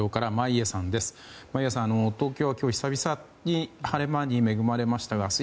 眞家さん、東京は今日久々に晴れ間に恵まれましたが明日